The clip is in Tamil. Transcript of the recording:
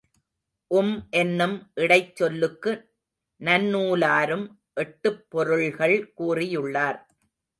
உம் என்னும் இடைச் சொல்லுக்கு நன்னூலாரும் எட்டுப் பொருள்கள் கூறியுள்ளார்.